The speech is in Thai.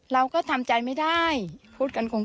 เราก็ทำใจไม่ได้พูดกันคง